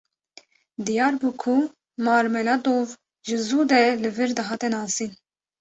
Diyar bû ku Marmeladov ji zû de li vir dihate nasîn.